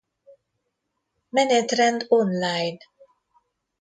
Menetrend Online